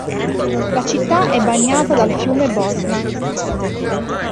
La città è bagnata dal fiume Bosna.